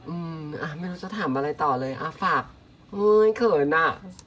อืมอ่ะไม่รู้จะถามอะไรต่อเลยอ่ะฝากเฮ้ยเขินอ่ะ